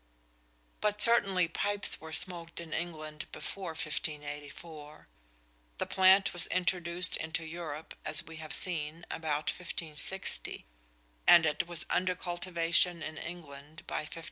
But certainly pipes were smoked in England before 1584. The plant was introduced into Europe, as we have seen, about 1560, and it was under cultivation in England by 1570.